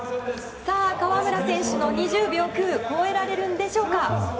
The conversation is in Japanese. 河村選手の２０秒０９超えられるんでしょうか。